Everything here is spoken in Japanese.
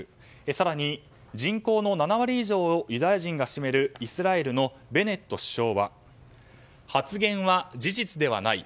更に、人口の７割以上をユダヤ人が占めるイスラエルのベネット首相は発言は事実ではない。